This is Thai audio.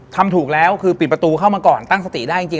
ทำถูกแล้วคือปิดประตูเข้ามาก่อนตั้งสติได้จริง